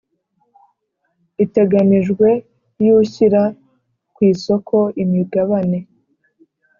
Iteganijwe y ushyira ku isoko imigabane